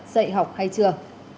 dạy học hay chưa